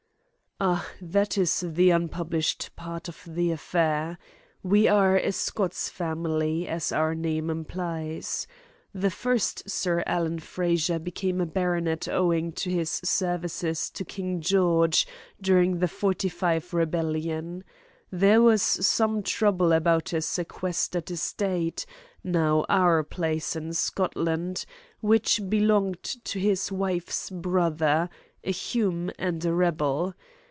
"Ah, that is the unpublished part of the affair. We are a Scots family, as our name implies. The first Sir Alan Frazer became a baronet owing to his services to King George during the '45 Rebellion. There was some trouble about a sequestered estate now our place in Scotland which belonged to his wife's brother, a Hume and a rebel.